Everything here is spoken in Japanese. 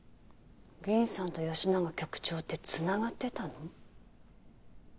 銀さんと吉永局長って繋がってたの？